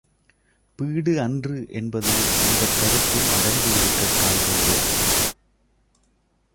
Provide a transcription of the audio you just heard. Bead அன்று என்பதில் இந்தக் கருத்தும் அடங்கியிருக்கக் காண்கின்றோம்.